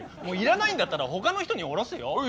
もう要らないんだったらほかの人に降ろすよ？